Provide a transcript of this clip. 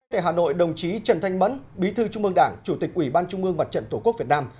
tại hà nội đồng chí trần thanh mẫn bí thư trung mương đảng chủ tịch ủy ban trung ương mặt trận tổ quốc việt nam